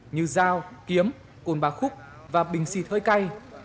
như dao kiếm cồn bà khúc và bình xịt hơi cay